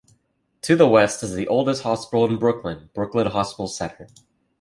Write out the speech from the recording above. To the west is the oldest hospital in Brooklyn, Brooklyn Hospital Center.